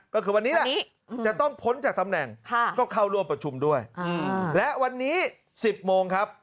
ก็คือวันนี้แหละจะต้องพ้นจากตำแหน่งก็เข้าร่วมประชุมด้วยและวันนี้๑๐โมงครับ